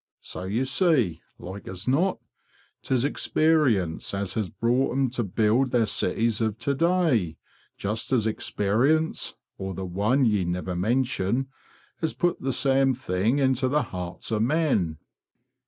So you see, like as not, tis experience as has brought 'em to build their cities of to day, just as experience, or the One ye never mention, has put the same thing into the hearts o' men."